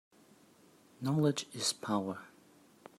Knowledge is power.